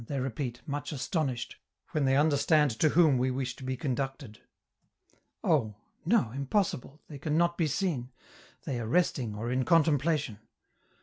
they repeat, much astonished, when they understand to whom we wish to be conducted. Oh! no, impossible, they can not be seen; they are resting or are in contemplation.